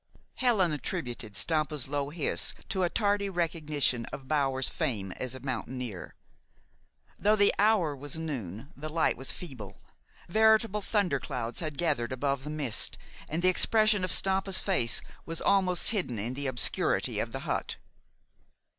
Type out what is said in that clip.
Helen attributed Stampa's low hiss to a tardy recognition of Bower's fame as a mountaineer. Though the hour was noon, the light was feeble. Veritable thunder clouds had gathered above the mist, and the expression of Stampa's face was almost hidden in the obscurity of the hut.